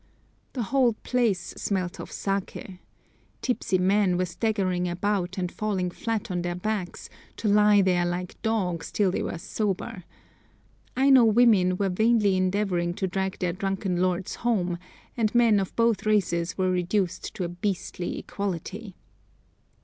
The whole place smelt of saké. Tipsy men were staggering about and falling flat on their backs, to lie there like dogs till they were sober,—Aino women were vainly endeavouring to drag their drunken lords home, and men of both races were reduced to a beastly equality.